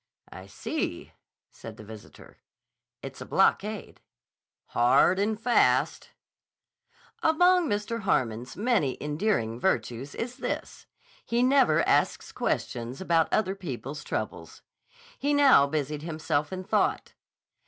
"I see," said the visitor. "It's a blockade." "Hard and fast." Among Mr. Harmon's many endearing virtues is this: he never asks questions about other people's troubles. He now busied himself in thought.